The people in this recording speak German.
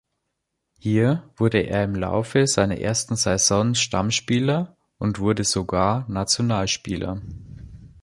Hier wurde er im Laufe seiner ersten Saison Stammspieler und wurde sogar Nationalspieler.